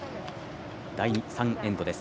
第３エンドです。